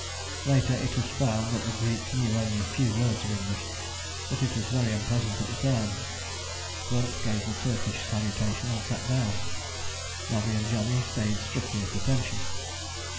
Later it was found that the Greek knew only a few words of English, but it was very unpleasant at the time. Grunt gave the Turkish salutation and sat down. Nobby and Johnny stayed strictly at attention.